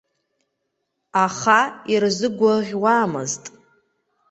Аха ирзыгәаӷьуамызт.